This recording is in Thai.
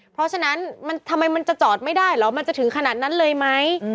เพราะฉะนั้นมันทำไมมันจะจอดไม่ได้เหรอมันจะถึงขนาดนั้นเลยไหม